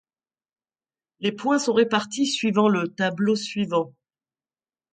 Les points sont répartis suivant le tableau suivant:.